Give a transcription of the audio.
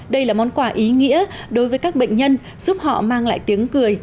đây là món quà ý nghĩa đối với các bệnh nhân giúp họ mang lại tiếng cười